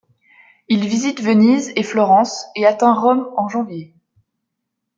Il visite Venise et Florence et atteint Rome en janvier.